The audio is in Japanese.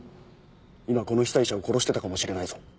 今この被災者を殺してたかもしれないぞ。